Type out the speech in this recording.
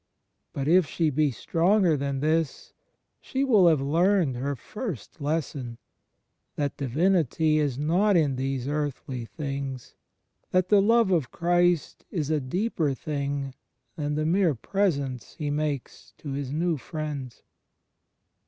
But if she be stronger than this, she will have learned her first lesson — that Divinity is not in these earthly things, that the love of Christ is a deeper thing than the mere presents He makes to His new friends.